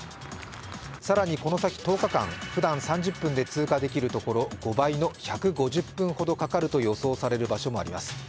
更にこの先１０日間、ふだん３０分で通過できるところ、５倍の１５０分ほどかかると予想される場所もあります。